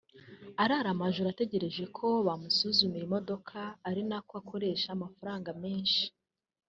arara amajoro ategereje ko bamusuzumira imodoka ari nako akoresha amafaranga menshi